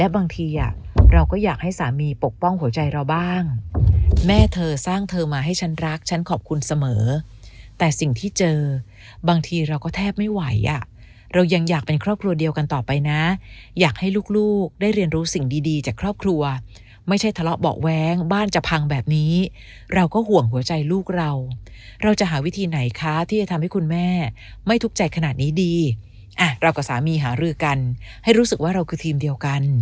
บางทีเราก็อยากให้สามีปกป้องหัวใจเราบ้างแม่เธอสร้างเธอมาให้ฉันรักฉันขอบคุณเสมอแต่สิ่งที่เจอบางทีเราก็แทบไม่ไหวเรายังอยากเป็นครอบครัวเดียวกันต่อไปนะอยากให้ลูกได้เรียนรู้สิ่งดีจากครอบครัวไม่ใช่ทะเลาะเบาะแว้งบ้านจะพังแบบนี้เราก็ห่วงหัวใจลูกเราเราจะหาวิธีไหนคะที่จะทำให้คุณแม่ไม่ทุกข์